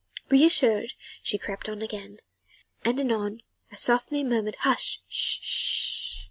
Reassured she crept on again, and anon a softly murmured: "Hush sh! sh!